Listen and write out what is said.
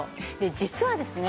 実はですね